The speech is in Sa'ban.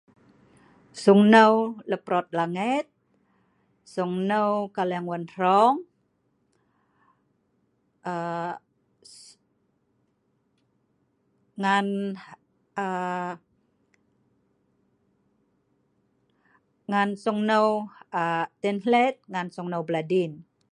Sung hneu leperot langet, sung hneu kaleng wan hrong, aa.. ngan aa.. Ngan sung hneu tenhlet ngan sung hneu beladin.